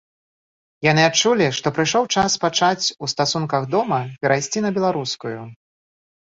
Яны адчулі, што прыйшоў час пачаць у стасунках дома перайсці на беларускую.